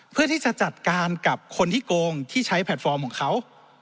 เพื่อที่จะจัดการกับคนที่โกงที่ใช้แพลตฟอร์มของเขา